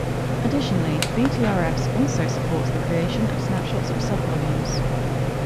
Additionally, Btrfs also supports the creation of snapshots of subvolumes.